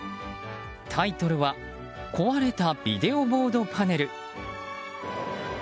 タイトルは壊れたビデオボードパネル。